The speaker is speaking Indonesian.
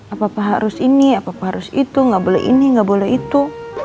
apa apa harus ini apa apa harus itu nggak boleh ini nggak boleh itu